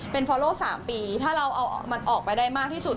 เป็นฟอลโล๓ปีถ้าเราเอามันออกไปได้มากที่สุด